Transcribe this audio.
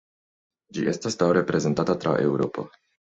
Ĝi estas daŭre prezentata tra Eŭropo.